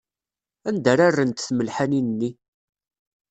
Anda ara rrent tmelḥanin-nni?